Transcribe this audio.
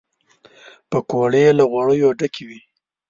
پکورې له غوړیو ډکې وي